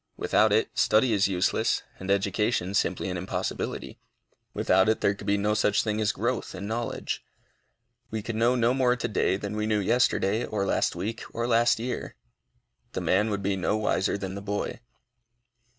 Without it, study is useless, and education simply an impossibility. Without it, there could be no such thing as growth in knowledge. We could know no more to day than we knew yesterday, or last week, or last year. The man would be no wiser than the boy.